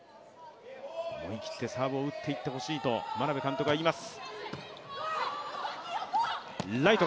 思い切ってサーブを打っていってほしいと眞鍋監督は言います。